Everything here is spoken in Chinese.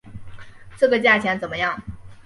这个价钱怎么样？